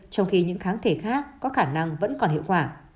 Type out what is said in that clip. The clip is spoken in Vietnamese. trong khi những kháng thể khác có khả năng vẫn còn hiệu quả